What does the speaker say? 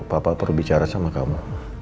papa perlu bicara sama kamu